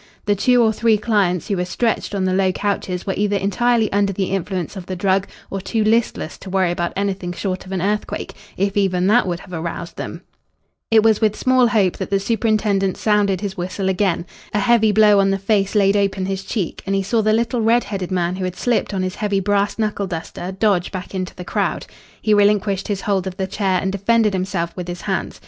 The two or three clients who were stretched on the low couches were either entirely under the influence of the drug or too listless to worry about anything short of an earthquake if even that would have aroused them. It was with small hope that the superintendent sounded his whistle again. A heavy blow on the face laid open his cheek, and he saw the little red headed man who had slipped on his heavy brass knuckle duster dodge back into the crowd. He relinquished his hold of the chair and defended himself with his hands.